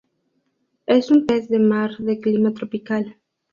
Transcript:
Es un pez de mar de clima tropical.